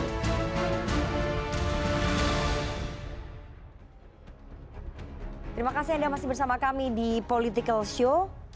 terima kasih anda masih bersama kami di political show